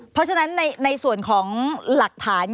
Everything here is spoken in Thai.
เพราะฉะนั้นในส่วนของหลักฐาน